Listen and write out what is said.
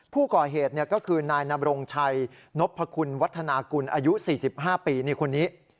ผู้ก่อเหตุก็คือนายนบรงชัยนพคุณวัฒนากุลอายุ๔๕ปีนี่คนนี้